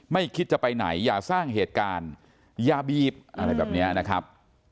คิดจะไปไหนอย่าสร้างเหตุการณ์อย่าบีบอะไรแบบนี้นะครับ